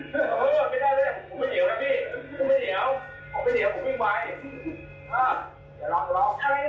ตรงตรงพี่